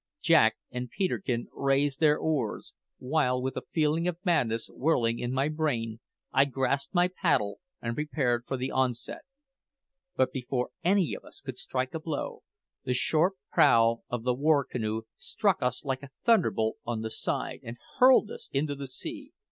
Jack and Peterkin raised their oars, while, with a feeling of madness whirling in my brain, I grasped my paddle and prepared for the onset. But before any of us could strike a blow, the sharp prow of the war canoe struck us like a thunderbolt on the side and hurled us into the sea!